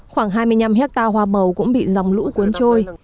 khoảng hai mươi năm hectare hoa màu cũng bị dòng lũ cuốn trôi